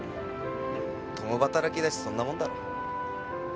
共働きだしそんなもんだろ。